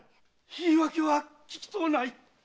言い訳は聞きとうない。